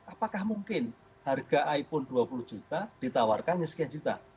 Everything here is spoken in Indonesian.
apakah mungkin harga iphone dua puluh juta ditawarkan hanya sekian juta